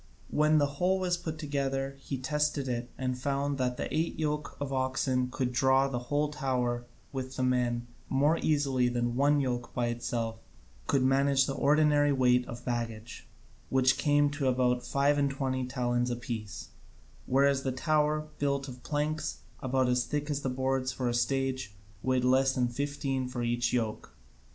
When the whole was put together he tested it and found that the eight yoke of oxen could draw the whole tower with the men more easily than one yoke by itself could manage the ordinary weight of baggage, which came to about five and twenty talents apiece, whereas the tower, build of planks about as thick as the boards for a stage, weighed less than fifteen for each yoke.